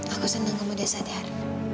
aku senang kamu dia sadar